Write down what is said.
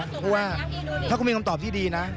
เพราะว่าถ้าคุณมีคำตอบที่ดีนะ